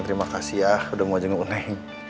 terima kasih ya udah mau jenguk neng